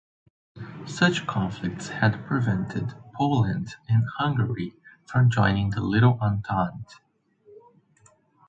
Such conflicts had prevented Poland and Hungary from joining the Little Entente.